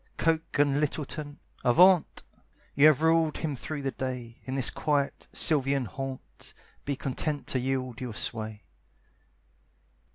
Coke and Littleton, avaunt! You have ruled him through the day; In this quiet, sylvan haunt, Be content to yield your sway.